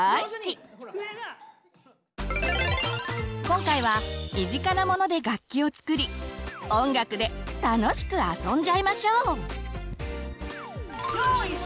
今回は身近なモノで楽器を作り音楽で楽しくあそんじゃいましょう！